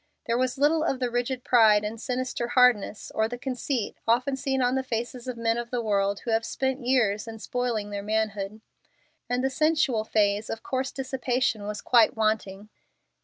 There was little of the rigid pride and sinister hardness or the conceit often seen on the faces of men of the world who have spent years in spoiling their manhood; and the sensual phase of coarse dissipation was quite wanting.